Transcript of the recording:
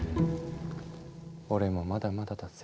俺もまだまだだぜ。